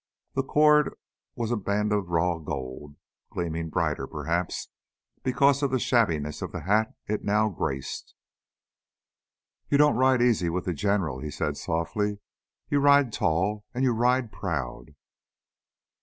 The cord was a band of raw gold, gleaming brighter, perhaps, because of the shabbiness of the hat it now graced. "You don't ride easy with the General," he said softly. "You ride tall and you ride proud!"